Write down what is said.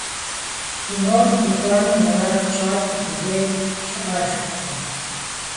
Кином дыкӀуэну мурад тщӀати, билет щыӀэжтэкъым.